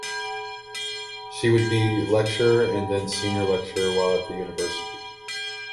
She would be lecturer and then senior lecturer while at the university.